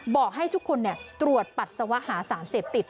บอกให้ทุกคนตรวจปัสสาวะหาสารเสพติด